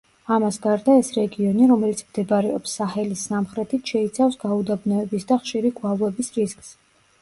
ამას გარდა, ეს რეგიონი, რომელიც მდებარეობს საჰელის სამხრეთით, შეიცავს გაუდაბნოების და ხშირი გვალვების რისკს.